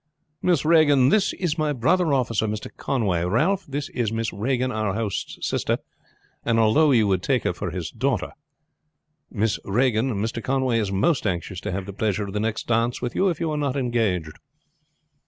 "Miss Regan, this is my brother officer, Mr. Conway, Ralph, this is Miss Regan, our host's sister, although you would take her for his daughter. Miss Regan, Mr. Conway is most anxious to have the pleasure of the next dance with you if you are not engaged."